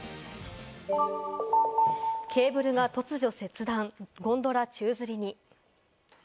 ケーブルが突如切断、ゴンドラ宙づりに。